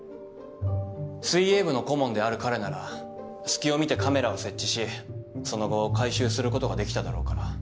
水泳部の顧問である彼なら隙を見てカメラを設置しその後回収することができただろうから。